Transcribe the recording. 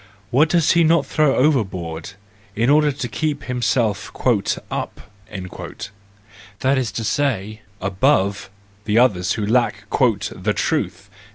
What does he not throw overboard, in order to keep himself " up,"—that is to say, above the others who lack the "truth"!